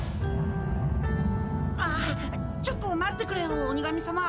ああちょっと待ってくれよ鬼神さま。